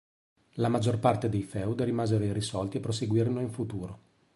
La maggior parte dei feud rimasero irrisolti e proseguirono in futuro.